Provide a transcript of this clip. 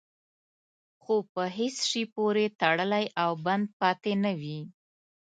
خو په هېڅ شي پورې تړلی او بند پاتې نه وي.